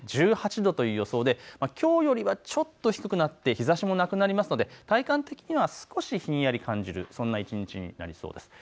１８度という予想できょうよりはちょっと低くなって日ざしもなくなりますので体感的には少しひんやりと感じる、そんな一日になりそうです。